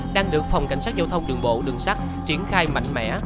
đang được phòng cảnh sát giao thông đường bộ đường sắt triển khai mạnh mẽ